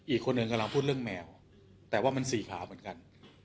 อีกคนหนึ่งกำลังพูดเรื่องแมวแต่ว่ามันสีขาวเหมือนกัน